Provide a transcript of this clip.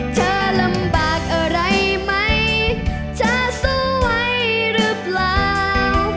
เธอลำบากอะไรไหมเธอสู้ไว้หรือเปล่า